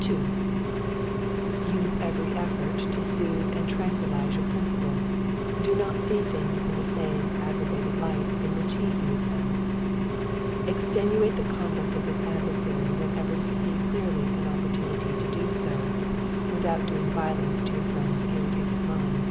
2. Use every effort to soothe and tranquilize your principal; do not see things in the same aggravated light in which he views them; extenuate the conduct of his adversary whenever you see clearly an opportunity to do so, without doing violence to your friend's irritated mind.